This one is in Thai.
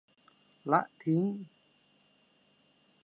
ละทิ้ง